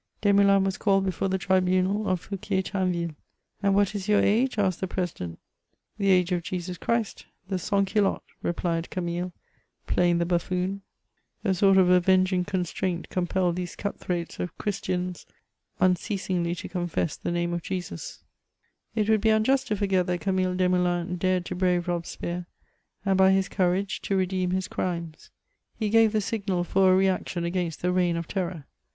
DesmouHns was called before the bibunal of Fouquier Tinville ;" And what is your age V* asked the president :'' The age of Jesus Christy the sansculotte," replied Camille, playing the buffoon. A sort CHATEAUBBIAND. 325 of a¥engmg oonstnunt eompdled these cut tfaroatB of ClizutiaDS nnoeamogl V to oonfeis the name of Jesiu. It woula be unjust to fiirget that Camille Desmoolins dared to brave Robespierre, and by his courage to redeem his crimes. He gave the signal for a reaction against the reign of terror.